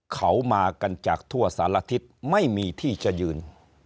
เขามากันจากทั่วสารทิศไม่มีที่จะยืน